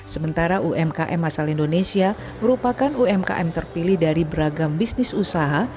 sementara umkm asal indonesia merupakan umkm terpilih dari beragam bisnis usaha